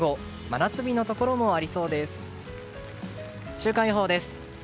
週間予報です。